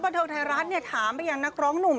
บรรเทศไทยรัฐเนี่ยถามไปยังนักร้องหนุ่ม